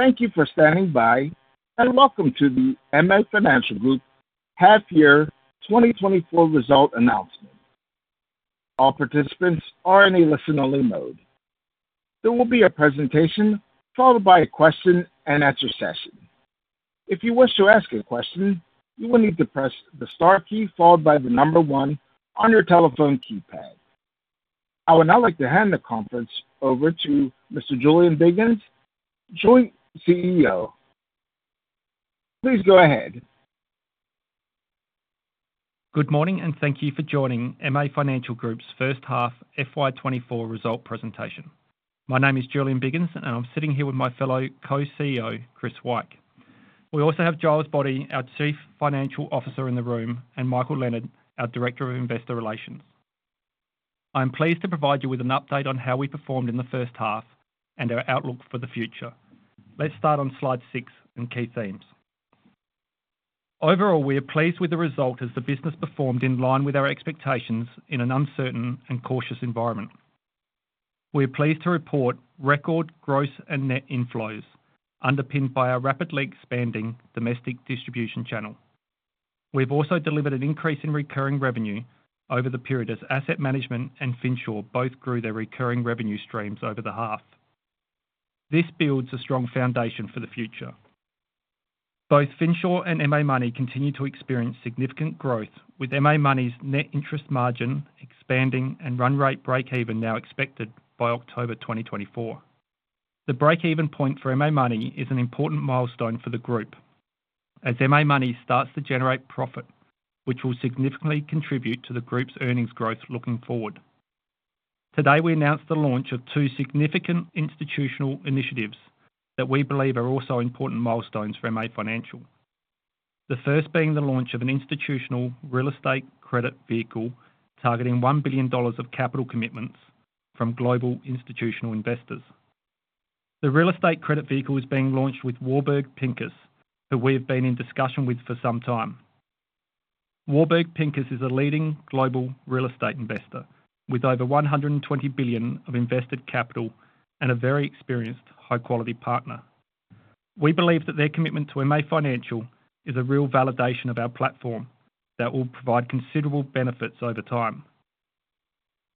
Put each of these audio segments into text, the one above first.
Thank you for standing by, and welcome to the MA Financial Group Half Year 2024 Result Announcement. All participants are in a listen-only mode. There will be a presentation, followed by a question and answer session. If you wish to ask a question, you will need to press the star key followed by the number one on your telephone keypad. I would now like to hand the conference over to Mr. Julian Biggins, Joint CEO. Please go ahead. Good morning, and thank you for joining MA Financial Group's First Half FY 2024 result presentation. My name is Julian Biggins, and I'm sitting here with my fellow co-CEO, Chris Wyke. We also have Giles Boddy, our Chief Financial Officer, in the room, and Michael Leonard, our Director of Investor Relations. I'm pleased to provide you with an update on how we performed in the first half and our outlook for the future. Let's start on slide six and key themes. Overall, we are pleased with the result as the business performed in line with our expectations in an uncertain and cautious environment. We are pleased to report record gross and net inflows, underpinned by a rapidly expanding domestic distribution channel. We've also delivered an increase in recurring revenue over the period, as asset management and Finsure both grew their recurring revenue streams over the half. This builds a strong foundation for the future. Both Finsure and MA Money continue to experience significant growth, with MA Money's net interest margin expanding and run rate break-even now expected by October 2024. The breakeven point for MA Money is an important milestone for the group as MA Money starts to generate profit, which will significantly contribute to the group's earnings growth looking forward. Today, we announced the launch of two significant institutional initiatives that we believe are also important milestones for MA Financial. The first being the launch of an institutional real estate credit vehicle, targeting 1 billion dollars of capital commitments from global institutional investors. The real estate credit vehicle is being launched with Warburg Pincus, who we have been in discussion with for some time. Warburg Pincus is a leading global real estate investor with over 120 billion of invested capital and a very experienced high-quality partner. We believe that their commitment to MA Financial is a real validation of our platform that will provide considerable benefits over time.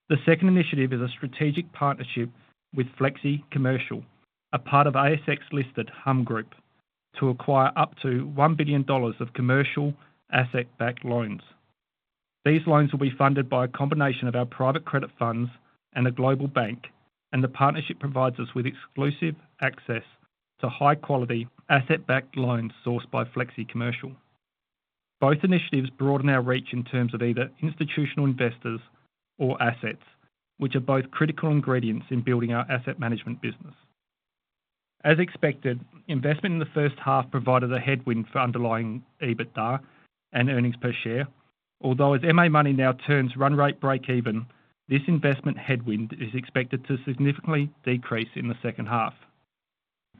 The second initiative is a strategic partnership with flexicommercial, a part of ASX-listed humm group, to acquire up to 1 billion dollars of commercial asset-backed loans. These loans will be funded by a combination of our private credit funds and a global bank, and the partnership provides us with exclusive access to high-quality, asset-backed loans sourced by flexicommercial. Both initiatives broaden our reach in terms of either institutional investors or assets, which are both critical ingredients in building our asset management business. As expected, investment in the first half provided a headwind for underlying EBITDA and earnings per share. Although as MA Money now turns run rate breakeven, this investment headwind is expected to significantly decrease in the second half.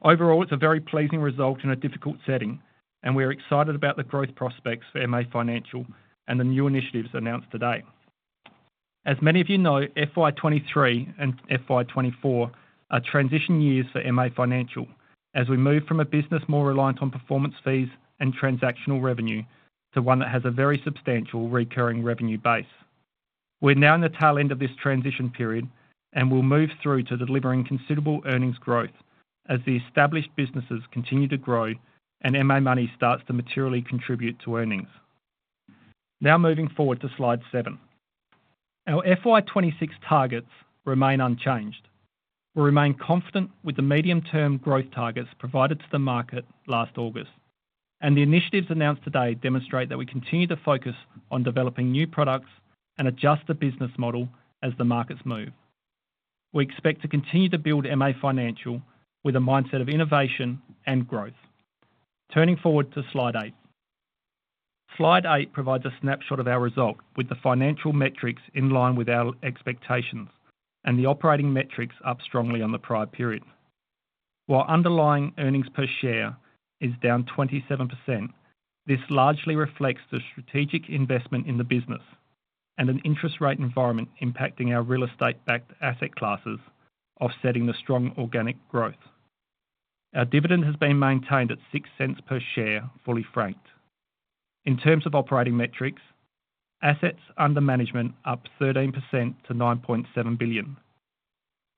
Overall, it's a very pleasing result in a difficult setting, and we are excited about the growth prospects for MA Financial and the new initiatives announced today. As many of you know, FY 2023 and FY 2024 are transition years for MA Financial as we move from a business more reliant on performance fees and transactional revenue to one that has a very substantial recurring revenue base. We're now in the tail end of this transition period, and we'll move through to delivering considerable earnings growth as the established businesses continue to grow and MA Money starts to materially contribute to earnings. Now moving forward to slide seven. Our FY 2026 targets remain unchanged. We remain confident with the medium-term growth targets provided to the market last August, and the initiatives announced today demonstrate that we continue to focus on developing new products and adjust the business model as the markets move. We expect to continue to build MA Financial with a mindset of innovation and growth. Turning forward to slide eight. Slide eight provides a snapshot of our results, with the financial metrics in line with our expectations and the operating metrics up strongly on the prior period. While underlying earnings per share is down 27%, this largely reflects the strategic investment in the business and an interest rate environment impacting our real estate-backed asset classes, offsetting the strong organic growth. Our dividend has been maintained at 0.06 per share, fully franked. In terms of operating metrics, assets under management up 13% to 9.7 billion.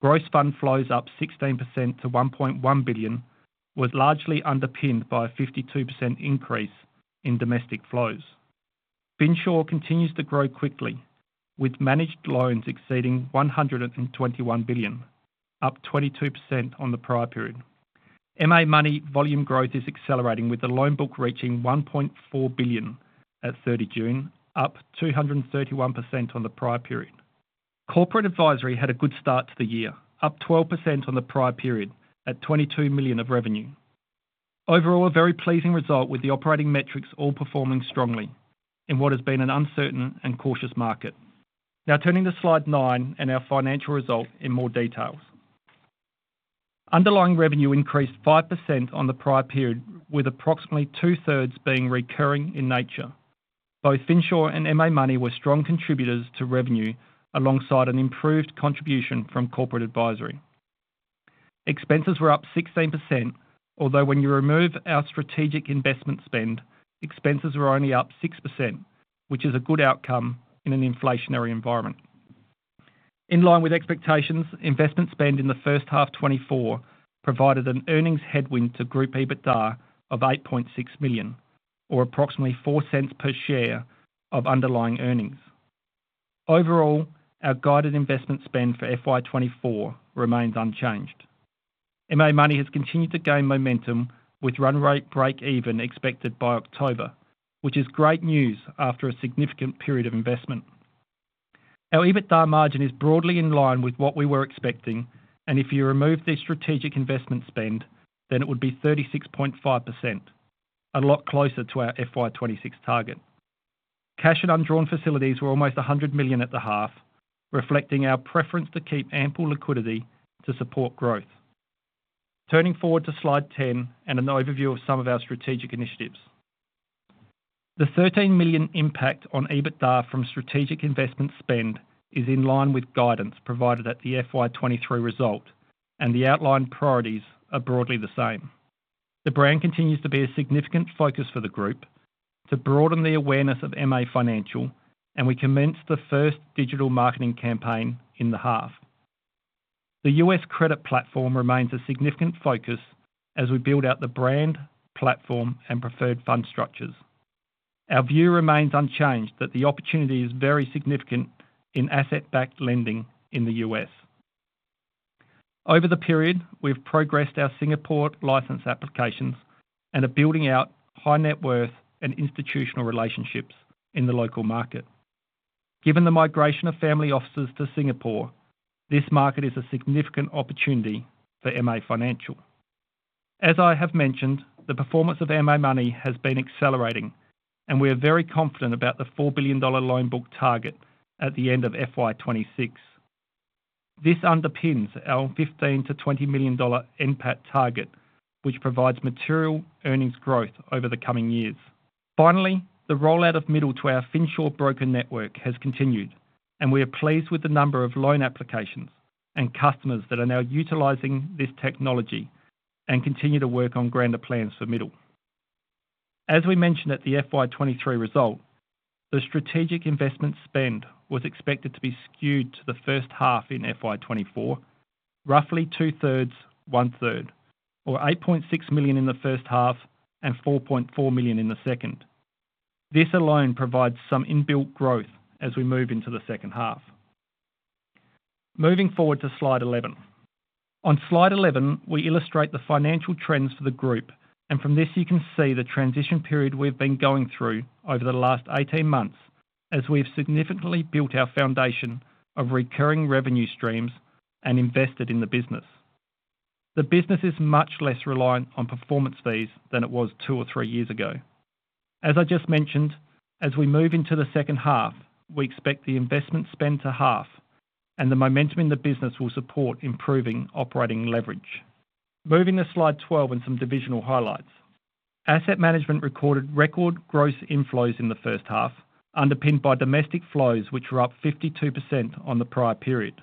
Gross fund flows up 16% to 1.1 billion, was largely underpinned by a 52% increase in domestic flows. Finsure continues to grow quickly, with managed loans exceeding AUD 121 billion, up 22% on the prior period. MA Money volume growth is accelerating, with the loan book reaching 1.4 billion at 30 June, up 231% on the prior period. Corporate advisory had a good start to the year, up 12% on the prior period at 22 million of revenue. Overall, a very pleasing result with the operating metrics all performing strongly in what has been an uncertain and cautious market. Now turning to slide nine and our financial results in more details. Underlying revenue increased 5% on the prior period, with approximately two-thirds being recurring in nature. Both Finsure and MA Money were strong contributors to revenue, alongside an improved contribution from corporate advisory. Expenses were up 16%, although when you remove our strategic investment spend, expenses are only up 6%, which is a good outcome in an inflationary environment. In line with expectations, investment spend in the first half 2024 provided an earnings headwind to Group EBITDA of 8.6 million, or approximately 0.04 per share of underlying earnings. Overall, our guided investment spend for FY 2024 remains unchanged. MA Money has continued to gain momentum with run rate break-even expected by October, which is great news after a significant period of investment. Our EBITDA margin is broadly in line with what we were expecting, and if you remove the strategic investment spend, then it would be 36.5%, a lot closer to our FY 2026 target. Cash and undrawn facilities were almost 100 million at the half, reflecting our preference to keep ample liquidity to support growth. Turning forward to slide 10, and an overview of some of our strategic initiatives. The 13 million impact on EBITDA from strategic investment spend is in line with guidance provided at the FY 2023 result, and the outlined priorities are broadly the same. The brand continues to be a significant focus for the group to broaden the awareness of MA Financial, and we commenced the first digital marketing campaign in the half. The U.S. credit platform remains a significant focus as we build out the brand, platform, and preferred fund structures. Our view remains unchanged that the opportunity is very significant in asset-backed lending in the U.S. Over the period, we've progressed our Singapore license applications and are building out high net worth and institutional relationships in the local market. Given the migration of family offices to Singapore, this market is a significant opportunity for MA Financial. As I have mentioned, the performance of MA Money has been accelerating, and we are very confident about the 4 billion dollar loan book target at the end of FY 2026. This underpins our 15 million-20 million dollar NPAT target, which provides material earnings growth over the coming years. Finally, the rollout of Middle to our Finsure broker network has continued, and we are pleased with the number of loan applications and customers that are now utilizing this technology, and continue to work on grander plans for Middle. As we mentioned at the FY 2023 result, the strategic investment spend was expected to be skewed to the first half in FY 2024, roughly 2/3, 1/3, or 8.6 million in the first half and 4.4 million in the second. This alone provides some inbuilt growth as we move into the second half. Moving forward to slide 11. On slide 11, we illustrate the financial trends for the group, and from this, you can see the transition period we've been going through over the last 18 months, as we've significantly built our foundation of recurring revenue streams and invested in the business. The business is much less reliant on performance fees than it was two or three years ago. As I just mentioned, as we move into the second half, we expect the investment spend to halve, and the momentum in the business will support improving operating leverage. Moving to slide 12 and some divisional highlights. Asset management recorded record gross inflows in the first half, underpinned by domestic flows, which were up 52% on the prior period.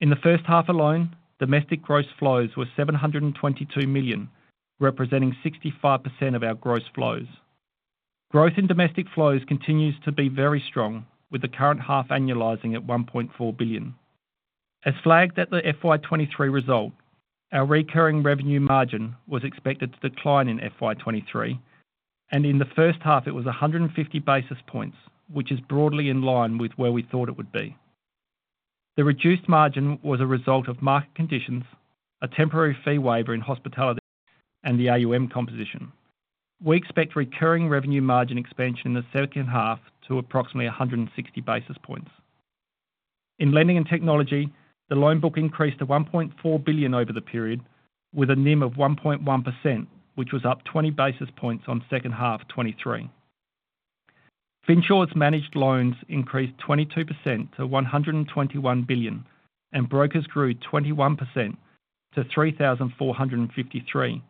In the first half alone, domestic gross flows were 722 million, representing 65% of our gross flows. Growth in domestic flows continues to be very strong, with the current half annualizing at 1.4 billion. As flagged at the FY 2023 result, our recurring revenue margin was expected to decline in FY 2023, and in the first half it was 150 basis points, which is broadly in line with where we thought it would be. The reduced margin was a result of market conditions, a temporary fee waiver in hospitality, and the AUM composition. We expect recurring revenue margin expansion in the second half to approximately 160 basis points. In lending and technology, the loan book increased to 1.4 billion over the period, with a NIM of 1.1%, which was up 20 basis points on second half of 2023. Finsure's managed loans increased 22% to 121 billion, and brokers grew 21% to 3,453,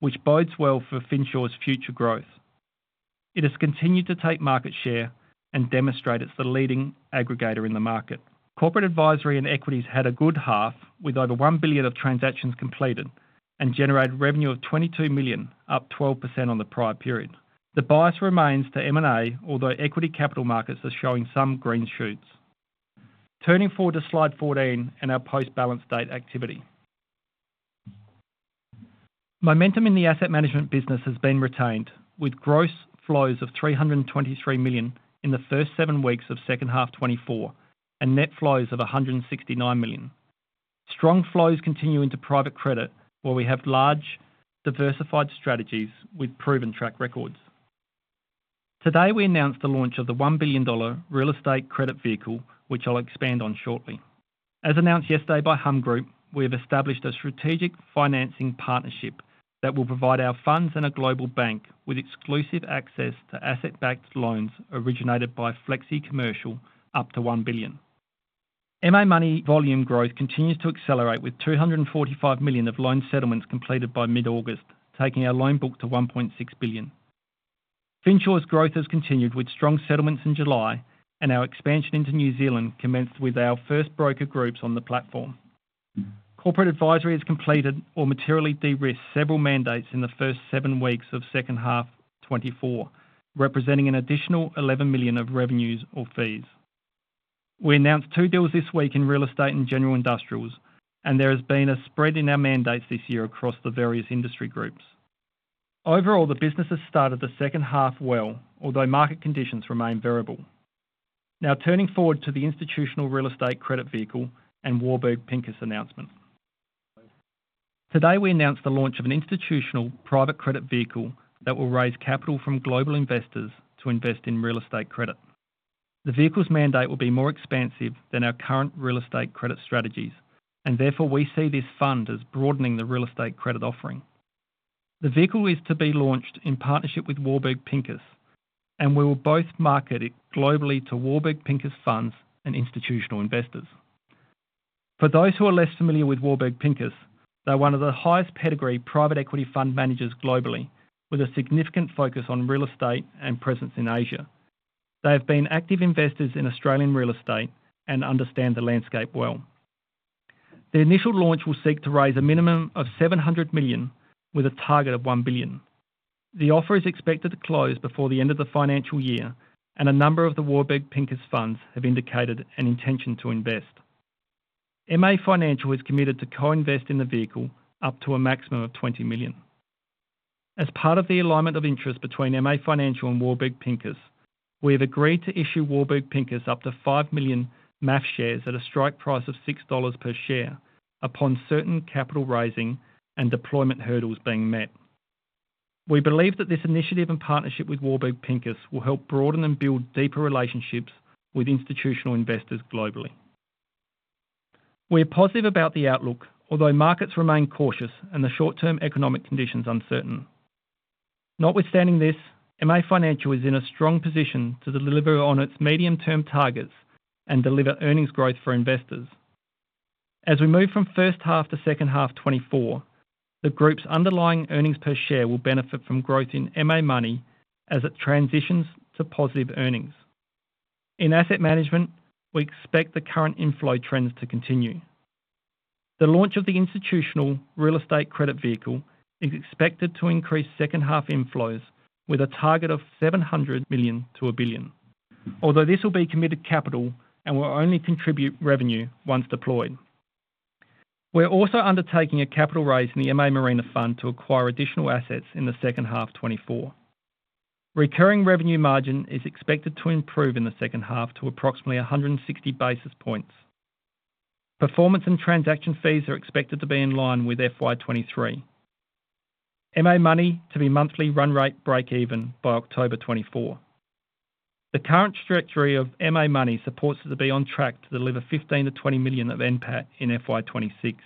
which bodes well for Finsure's future growth. It has continued to take market share and demonstrate it's the leading aggregator in the market. Corporate advisory and equities had a good half, with over 1 billion of transactions completed and generated revenue of 22 million, up 12% on the prior period. The bias remains to M&A, although equity capital markets are showing some green shoots. Turning forward to slide 14 and our post-balance date activity. Momentum in the asset management business has been retained, with gross flows of 323 million in the first seven weeks of second half 2024, and net flows of 169 million. Strong flows continue into private credit, where we have large, diversified strategies with proven track records. Today, we announced the launch of the 1 billion dollar real estate credit vehicle, which I'll expand on shortly. As announced yesterday by humm group, we have established a strategic financing partnership that will provide our funds and a global bank with exclusive access to asset-backed loans originated by flexicommercial up to 1 billion. MA Money volume growth continues to accelerate with 245 million of loan settlements completed by mid-August, taking our loan book to 1.6 billion. Finsure's growth has continued with strong settlements in July, and our expansion into New Zealand commenced with our first broker groups on the platform. Corporate Advisory has completed or materially de-risked several mandates in the first seven weeks of second half 2024, representing an additional 11 million of revenues or fees. We announced two deals this week in real estate and general industrials, and there has been a spread in our mandates this year across the various industry groups. Overall, the business has started the second half well, although market conditions remain variable. Now, turning forward to the institutional real estate credit vehicle and Warburg Pincus announcement. Today, we announced the launch of an institutional private credit vehicle that will raise capital from global investors to invest in real estate credit. The vehicle's mandate will be more expansive than our current real estate credit strategies, and therefore, we see this fund as broadening the real estate credit offering. The vehicle is to be launched in partnership with Warburg Pincus, and we will both market it globally to Warburg Pincus funds and institutional investors. For those who are less familiar with Warburg Pincus, they're one of the highest pedigree private equity fund managers globally, with a significant focus on real estate and presence in Asia. They have been active investors in Australian real estate and understand the landscape well. The initial launch will seek to raise a minimum of 700 million, with a target of 1 billion. The offer is expected to close before the end of the financial year, and a number of the Warburg Pincus funds have indicated an intention to invest. MA Financial is committed to co-invest in the vehicle up to a maximum of 20 million. As part of the alignment of interest between MA Financial and Warburg Pincus, we have agreed to issue Warburg Pincus up to 5 million MAF shares at a strike price of 6 dollars per share, upon certain capital raising and deployment hurdles being met. We believe that this initiative and partnership with Warburg Pincus will help broaden and build deeper relationships with institutional investors globally. We are positive about the outlook, although markets remain cautious and the short-term economic conditions uncertain. Notwithstanding this, MA Financial is in a strong position to deliver on its medium-term targets and deliver earnings growth for investors. As we move from first half to second half 2024, the Group's underlying earnings per share will benefit from growth in MA Money as it transitions to positive earnings. In asset management, we expect the current inflow trends to continue. The launch of the institutional real estate credit vehicle is expected to increase second-half inflows with a target of 700 million-1 billion, although this will be committed capital and will only contribute revenue once deployed. We're also undertaking a capital raise in the MA Marina Fund to acquire additional assets in the second half 2024. Recurring revenue margin is expected to improve in the second half to approximately 160 basis points. Performance and transaction fees are expected to be in line with FY 2023. MA Money to be monthly run rate break even by October 2024. The current trajectory of MA Money supports it to be on track to deliver 15 million-20 million of NPAT in FY 2026.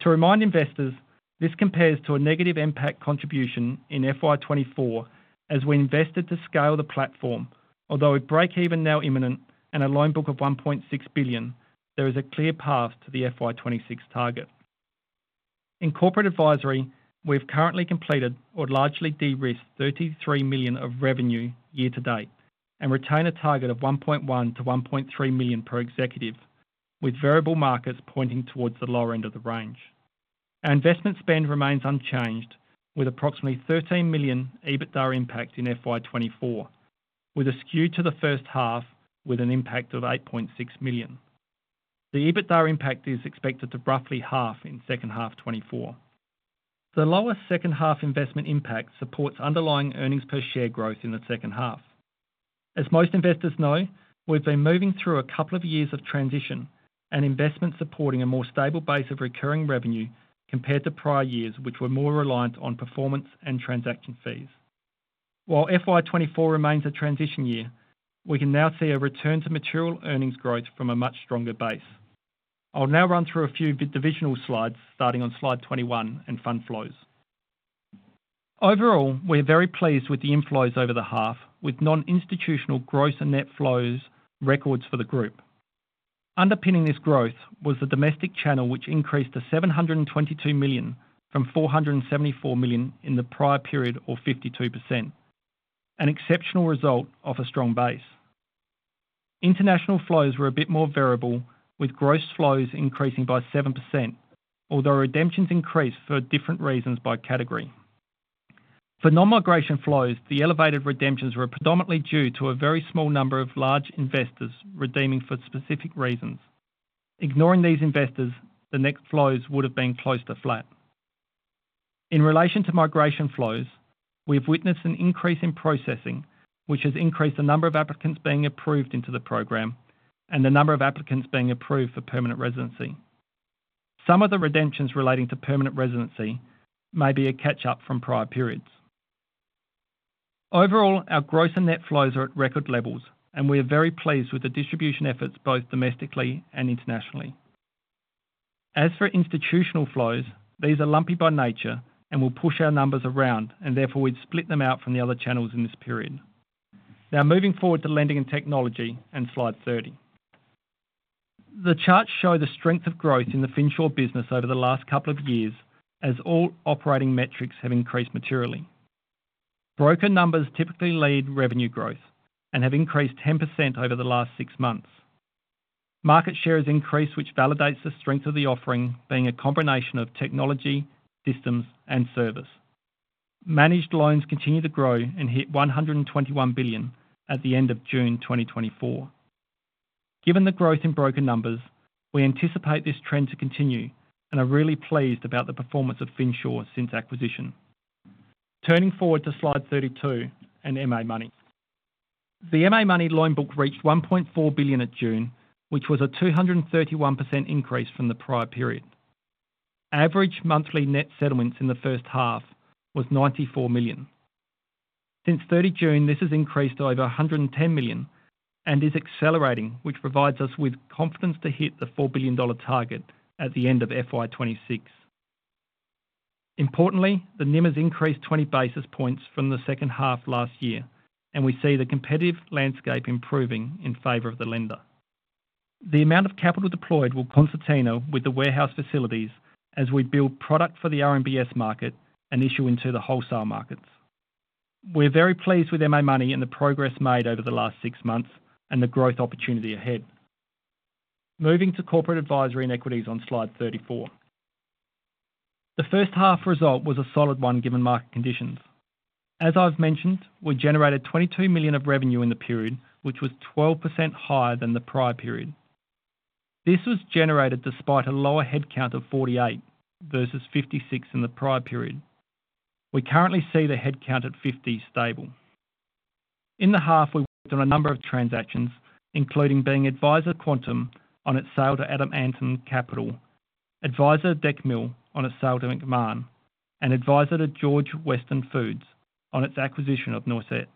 To remind investors, this compares to a negative NPAT contribution in FY 2024 as we invested to scale the platform. Although a break-even now imminent and a loan book of 1.6 billion, there is a clear path to the FY 2026 target. In Corporate Advisory, we've currently completed or largely de-risked 33 million of revenue year to date, and retain a target of 1.1 million-1.3 million per executive, with variable markets pointing towards the lower end of the range. Our investment spend remains unchanged, with approximately 13 million EBITDA impact in FY 2024, with a skew to the first half, with an impact of 8.6 million. The EBITDA impact is expected to roughly half in second half 2024. The lower second-half investment impact supports underlying earnings per share growth in the second half. As most investors know, we've been moving through a couple of years of transition and investment, supporting a more stable base of recurring revenue compared to prior years, which were more reliant on performance and transaction fees. While FY 2024 remains a transition year, we can now see a return to material earnings growth from a much stronger base. I'll now run through a few divisional slides, starting on slide 21 in fund flows. Overall, we are very pleased with the inflows over the half, with non-institutional gross and net flows records for the group. Underpinning this growth was the domestic channel, which increased to 722 million from 474 million in the prior period, or 52%, an exceptional result off a strong base. International flows were a bit more variable, with gross flows increasing by 7%, although redemptions increased for different reasons by category. For non-migration flows, the elevated redemptions were predominantly due to a very small number of large investors redeeming for specific reasons. Ignoring these investors, the net flows would have been close to flat. In relation to migration flows, we have witnessed an increase in processing, which has increased the number of applicants being approved into the program and the number of applicants being approved for permanent residency. Some of the redemptions relating to permanent residency may be a catch-up from prior periods. Overall, our gross and net flows are at record levels, and we are very pleased with the distribution efforts, both domestically and internationally. As for institutional flows, these are lumpy by nature and will push our numbers around, and therefore, we've split them out from the other channels in this period. Now, moving forward to lending and technology in slide 30. The charts show the strength of growth in the Finsure business over the last couple of years, as all operating metrics have increased materially. Broker numbers typically lead revenue growth and have increased 10% over the last six months. Market share has increased, which validates the strength of the offering, being a combination of technology, systems, and service. Managed loans continue to grow and hit AUD 121 billion at the end of June 2024. Given the growth in broker numbers, we anticipate this trend to continue and are really pleased about the performance of Finsure since acquisition. Turning forward to slide 32 and MA Money. The MA Money loan book reached 1.4 billion at June, which was a 231% increase from the prior period. Average monthly net settlements in the first half was 94 million. Since 30 June, this has increased to over 110 million and is accelerating, which provides us with confidence to hit the 4 billion dollar target at the end of FY 2026. Importantly, the NIM has increased 20 basis points from the second half last year, and we see the competitive landscape improving in favor of the lender. The amount of capital deployed will concertina with the warehouse facilities as we build product for the RMBS market and issue into the wholesale markets. We're very pleased with MA Money and the progress made over the last six months and the growth opportunity ahead. Moving to corporate advisory and equities on slide 34. The first half result was a solid one, given market conditions. As I've mentioned, we generated 22 million of revenue in the period, which was 12% higher than the prior period. This was generated despite a lower headcount of 48 versus 56 in the prior period. We currently see the headcount at 50, stable. In the half, we worked on a number of transactions, including being advisor to QANTM on its sale to Adamantem Capital, advisor Decmil on its sale to Macmahon, and advisor to George Weston Foods on its acquisition of Noisette.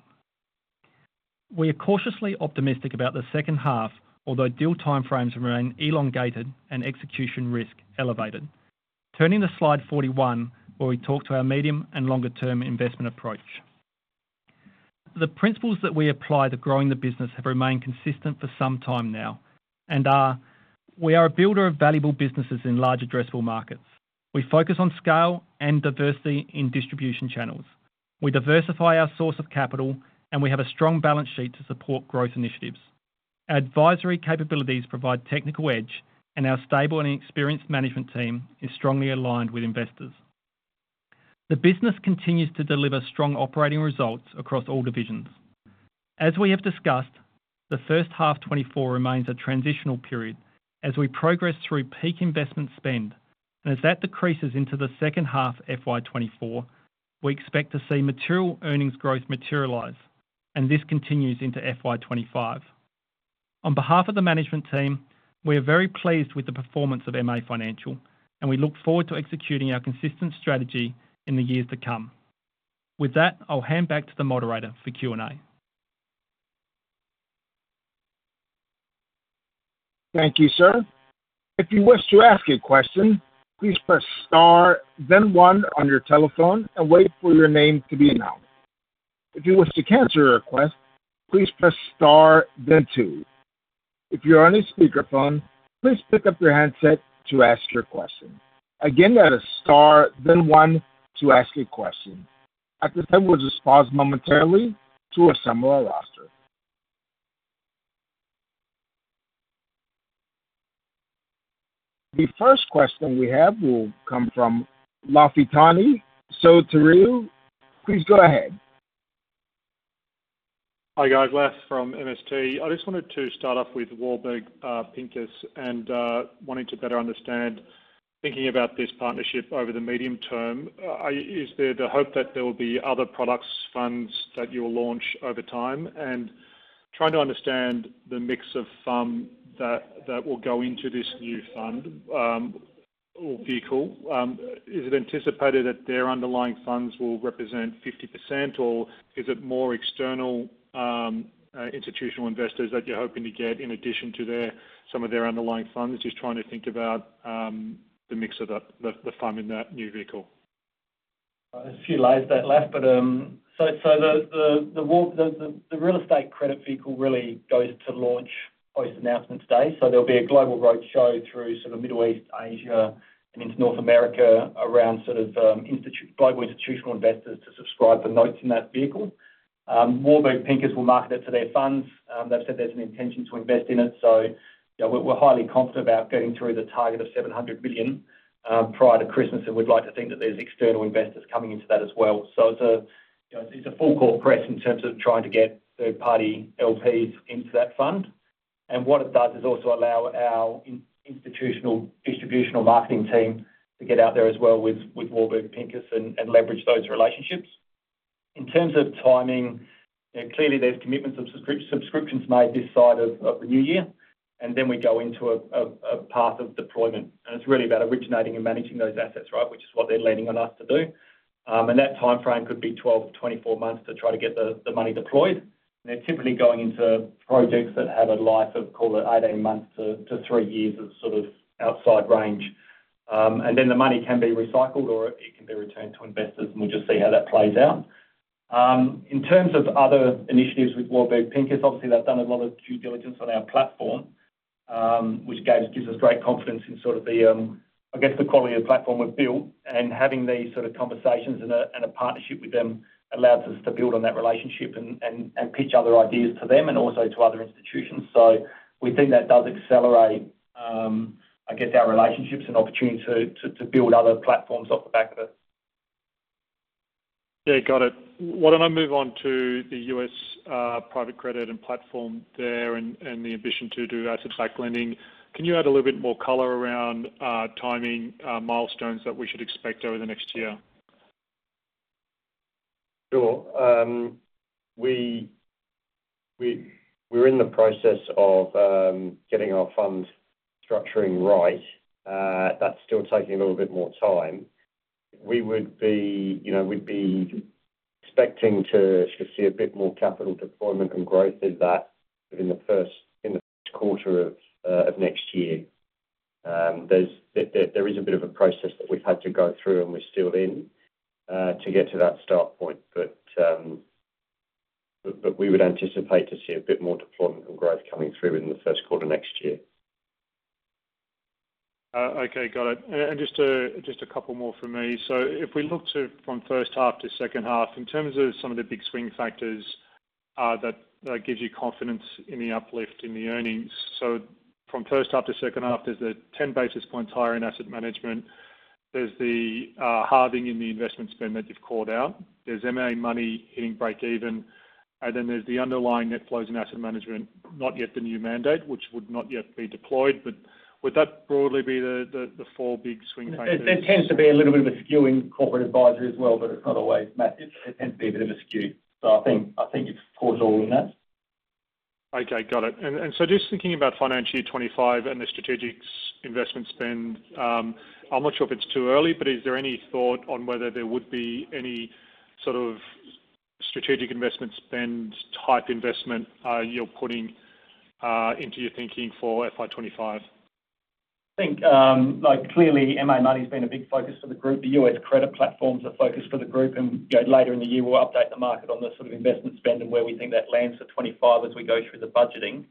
We are cautiously optimistic about the second half, although deal timeframes remain elongated and execution risk elevated. Turning to slide 41, where we talk to our medium and longer-term investment approach. The principles that we apply to growing the business have remained consistent for some time now and are: We are a builder of valuable businesses in large addressable markets. We focus on scale and diversity in distribution channels. We diversify our source of capital, and we have a strong balance sheet to support growth initiatives. Our advisory capabilities provide technical edge, and our stable and experienced management team is strongly aligned with investors. The business continues to deliver strong operating results across all divisions. As we have discussed, the first half 2024 remains a transitional period as we progress through peak investment spend, and as that decreases into the second half FY 2024, we expect to see material earnings growth materialize, and this continues into FY 2025. On behalf of the management team, we are very pleased with the performance of MA Financial, and we look forward to executing our consistent strategy in the years to come. With that, I'll hand back to the moderator for Q&A. Thank you, sir. If you wish to ask a question, please press star, then one on your telephone and wait for your name to be announced. If you wish to cancel your request, please press star, then two. If you're on a speakerphone, please pick up your handset to ask your question. Again, that is star, then one to ask a question. At this time, we'll just pause momentarily to assemble our roster. The first question we have will come from Lafitani Sotiriou. Please go ahead. Hi, guys, Laf from MST. I just wanted to start off with Warburg Pincus, and wanting to better understand, thinking about this partnership over the medium term, is there the hope that there will be other products, funds, that you will launch over time? And trying to understand the mix of that that will go into this new fund or vehicle. Is it anticipated that their underlying funds will represent 50%, or is it more external institutional investors that you're hoping to get in addition to some of their underlying funds? Just trying to think about the mix of the fund in that new vehicle. A few layers to that, Laf. But, so the real estate credit vehicle really goes to launch post-announcement today. So there'll be a global roadshow through sort of Middle East, Asia, and into North America around sort of, global institutional investors to subscribe for notes in that vehicle. Warburg Pincus will market it to their funds. They've said there's an intention to invest in it. So, you know, we're highly confident about getting through the target of 700 billion, prior to Christmas, and we'd like to think that there's external investors coming into that as well. So it's a, you know, it's a full court press in terms of trying to get third-party LPs into that fund. And what it does is also allow our institutional distributional marketing team to get out there as well with Warburg Pincus and leverage those relationships. In terms of timing, you know, clearly there's commitments of subscriptions made this side of the new year, and then we go into a path of deployment. And it's really about originating and managing those assets, right, which is what they're leaning on us to do. And that timeframe could be 12-24 months to try to get the money deployed. And they're typically going into projects that have a life of, call it, 18 months to three years as sort of outside range. And then the money can be recycled or it can be returned to investors, and we'll just see how that plays out. In terms of other initiatives with Warburg Pincus, obviously, they've done a lot of due diligence on our platform, which gives us great confidence in sort of the, I guess, the quality of the platform we've built. And having these sort of conversations and a partnership with them allows us to build on that relationship and pitch other ideas to them and also to other institutions. So we think that does accelerate, I guess, our relationships and opportunity to build other platforms off the back of it. Yeah, got it. Why don't I move on to the U.S. private credit and platform there, and the ambition to do asset-backed lending. Can you add a little bit more color around timing, milestones that we should expect over the next year? Sure. We're in the process of getting our fund structuring right. That's still taking a little bit more time. We would be, you know, we'd be expecting to sort of see a bit more capital deployment and growth in that within the first quarter of next year. There's a bit of a process that we've had to go through, and we're still in to get to that start point, but we would anticipate to see a bit more deployment and growth coming through in the first quarter next year. Okay, got it. Just a couple more from me. If we look from first half to second half, in terms of some of the big swing factors that gives you confidence in the uplift in the earnings. From first half to second half, there's the ten basis points higher in asset management. There's the halving in the investment spend that you've called out. There's MA Money hitting breakeven, and then there's the underlying net flows in asset management, not yet the new mandate, which would not yet be deployed, but would that broadly be the four big swing factors? There tends to be a little bit of a skew in corporate advisory as well, but it's not always massive. It tends to be a bit of a skew. So I think it supports all in that. Okay, got it. And so just thinking about financial year 2025 and the strategic investment spend, I'm not sure if it's too early, but is there any thought on whether there would be any sort of strategic investment spend-type investment you're putting into your thinking for FY 2025? I think, like, clearly, MA Money's been a big focus for the group. The U.S. credit platform's a focus for the group, and, you know, later in the year, we'll update the market on the sort of investment spend and where we think that lands for 2025 as we go through the budgeting.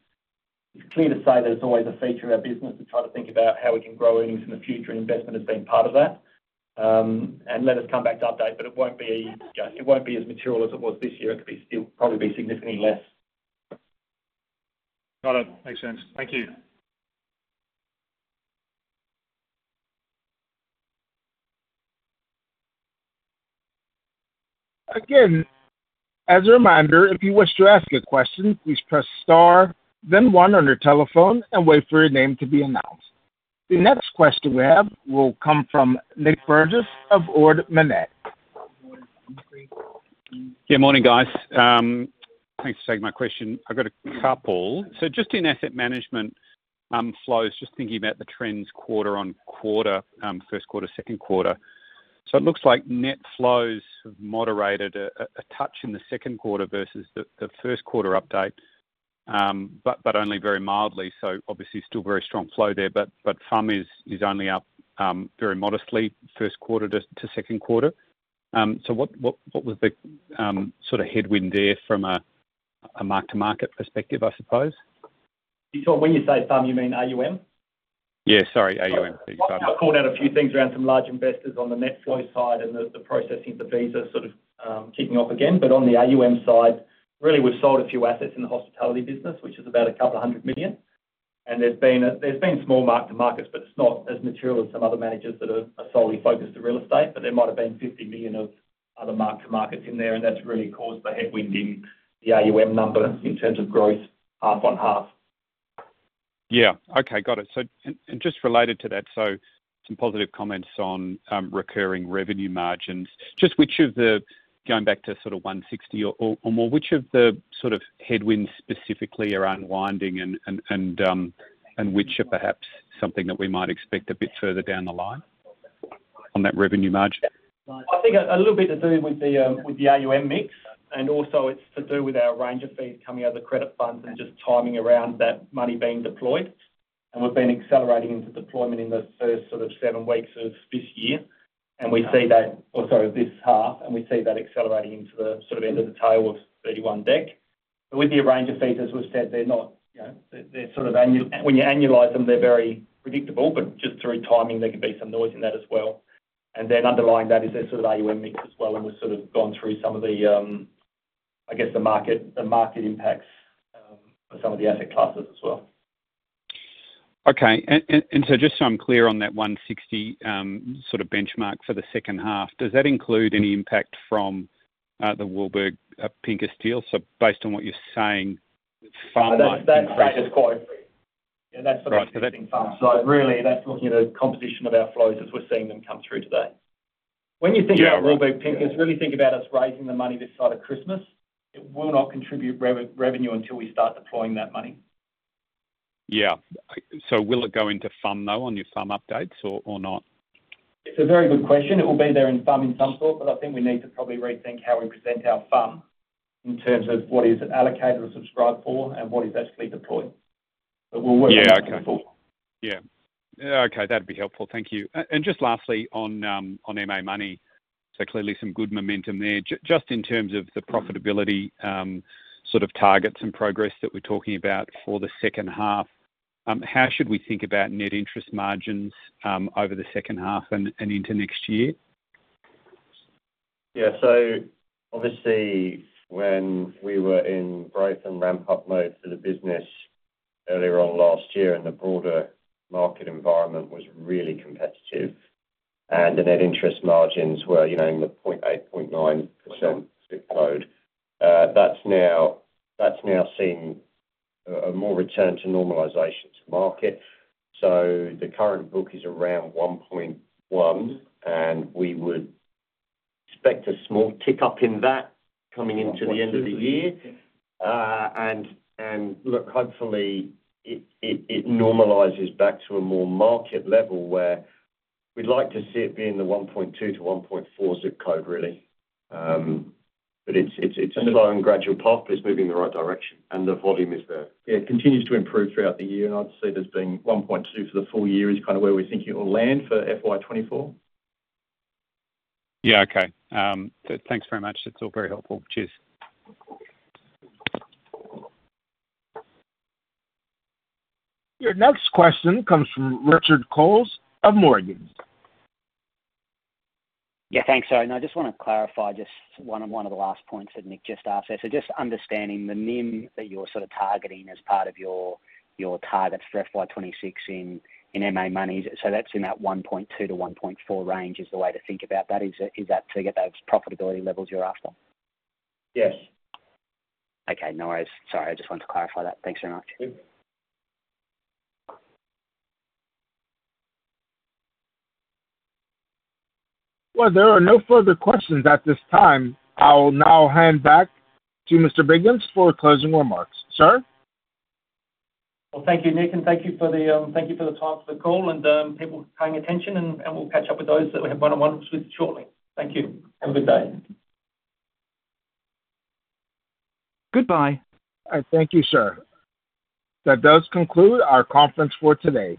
It's clear to say that it's always a feature of our business to try to think about how we can grow earnings in the future, and investment has been part of that. And let us come back to update, but it won't be, you know, it won't be as material as it was this year. It could be still, probably be significantly less. Got it. Makes sense. Thank you. Again, as a reminder, if you wish to ask a question, please press star then one on your telephone and wait for your name to be announced. The next question we have will come from Nick Burgess of Ord Minnett. Yeah, morning, guys. Thanks for taking my question. I've got a couple. So just in asset management, flows, just thinking about the trends quarter on quarter, first quarter, second quarter. So it looks like net flows have moderated a touch in the second quarter versus the first quarter update, but only very mildly, so obviously, still very strong flow there. But FUM is only up very modestly first quarter to second quarter. So what was the sort of headwind there from a mark-to-market perspective, I suppose? So when you say FOM, you mean AUM? Yeah, sorry, AUM, excuse me. I called out a few things around some large investors on the net flow side and the processing of the visa sort of kicking off again. But on the AUM side, really, we've sold a few assets in the hospitality business, which is about 200 million. And there's been small mark to markets, but it's not as material as some other managers that are solely focused on real estate. But there might have been 50 million of other mark to markets in there, and that's really caused the headwind in the AUM number in terms of growth half on half. Yeah. Okay, got it. So, and just related to that, so some positive comments on recurring revenue margins. Going back to sort of 160 or more, which of the sort of headwinds specifically are unwinding and which are perhaps something that we might expect a bit further down the line on that revenue margin? I think a little bit to do with the AUM mix, and also it's to do with our range of fees coming out of the credit funds and just timing around that money being deployed. And we've been accelerating into deployment in the first sort of seven weeks of this year, and we see that. Or sorry, this half, and we see that accelerating into the sort of end of the tail of 31 December. But with the range of fees, as we've said, they're not, you know, they're sort of annual- when you annualize them, they're very predictable, but just through timing, there could be some noise in that as well. And then underlying that is their sort of AUM mix as well, and we've sort of gone through some of the, I guess, the market impacts on some of the asset classes as well. Okay. And so just so I'm clear on that 160, sort of benchmark for the second half, does that include any impact from the Warburg Pincus deal? So based on what you're saying, FOM might- That is quite. Yeah, that's the So really, that's looking at the composition of our flows as we're seeing them come through today. Yeah. When you think about Warburg Pincus, really think about us raising the money this side of Christmas. It will not contribute revenue until we start deploying that money. Yeah. So will it go into FUM, though, on your FUM updates or not? It's a very good question. It will be there in FUM in some sort, but I think we need to probably rethink how we present our FUM in terms of what is allocated or subscribed for and what is actually deployed. But we'll work on that. Yeah. Okay. Yeah. Okay, that'd be helpful. Thank you. And just lastly, on MA Money, so clearly some good momentum there. Just in terms of the profitability, sort of targets and progress that we're talking about for the second half, how should we think about net interest margins over the second half and into next year? Yeah. So obviously, when we were in growth and ramp-up mode for the business earlier on last year, and the broader market environment was really competitive, and the net interest margins were, you know, in the 0.8%, 0.9% zip code. That's now seeing a more return to normalization to market. So the current book is around 1.1%, and we would expect a small tick up in that coming into the end of the year. And look, hopefully, it normalizes back to a more market level, where we'd like to see it be in the 1.2%-1.4% zip code, really. But it's a slow and gradual path, but it's moving in the right direction, and the volume is there. Yeah, it continues to improve throughout the year, and I'd see there's been 1.2% for the full year is kind of where we think it will land for FY 2024. Yeah, okay. Thanks very much. That's all very helpful. Cheers. Your next question comes from Richard Coles of Morgans. Yeah, thanks. So now, I just want to clarify just one of the last points that Nick just asked there. So just understanding the NIM that you're sort of targeting as part of your targets for FY 2026 in MA Money's, so that's in that 1.2%-1.4% range, is the way to think about that. Is that to get those profitability levels you're after? Yes. Okay, no worries. Sorry, I just wanted to clarify that. Thanks very much. Thank you. There are no further questions at this time. I'll now hand back to Mr. Biggins for closing remarks. Sir? Thank you, Nick, and thank you for the time for the call and people paying attention and we'll catch up with those that we have one-on-ones with shortly. Thank you, have a good day. Goodbye, and thank you, sir. That does conclude our conference for today.